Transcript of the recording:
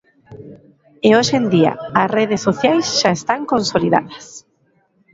E hoxe en día as redes sociais xa están consolidadas.